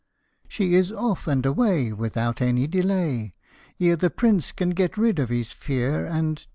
She is off and away without any delay, Ere the Prince can get rid of his fear and.